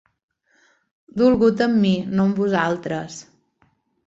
Dolgut amb mi, no amb vosaltres.